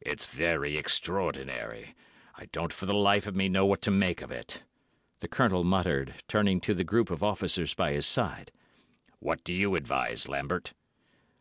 "It's very extraordinary. I don't for the life of me know what to make of it," the Colonel muttered, turning to the group of officers by his side. "What do you advise, Lambert?"